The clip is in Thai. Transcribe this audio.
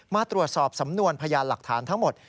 มาตรวจสอบสำนวนพยานหลักฐานทั้งหมด